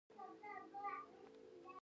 په همدې غرو کې جګړه روانه وه.